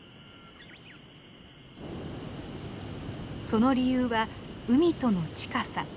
その理由は海との近さ。